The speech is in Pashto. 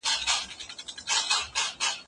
تاسو خپله پانګه په کومه برخه کي مصرفوئ؟